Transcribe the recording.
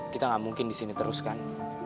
kita gak mungkin disini terus kan